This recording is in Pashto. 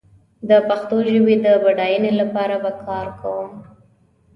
د پښتو ژبې د بډايينې لپاره به کار کوم